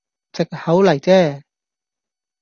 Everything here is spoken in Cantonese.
藉口嚟啫